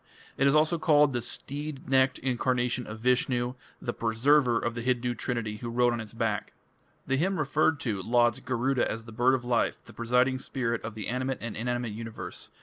It is also called "the steed necked incarnation of Vishnu", the "Preserver" of the Hindu trinity who rode on its back. The hymn referred to lauds Garuda as "the bird of life, the presiding spirit of the animate and inanimate universe